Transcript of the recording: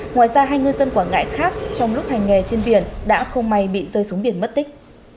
ngoài ra hai ngư dân quảng ngãi khác trong lúc hành nghề trên biển đã không may bị rơi xuống biển mất tích